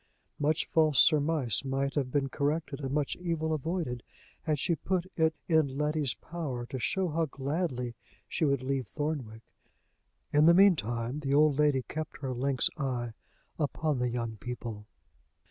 Much false surmise might have been corrected, and much evil avoided, had she put it in Letty's power to show how gladly she would leave Thornwick. In the mean time the old lady kept her lynx eye upon the young people.